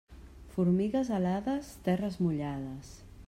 Formigues alades, terres mullades.